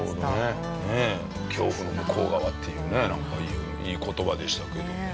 恐怖の向こう側っていうねなんかいい言葉でしたけど。